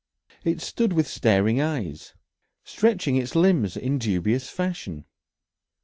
It stood with staring eyes, stretching its limbs in dubious fashion.